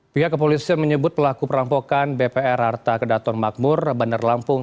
pihak kepolisian menyebut pelaku perampokan bpr harta kedaton makmur bandar lampung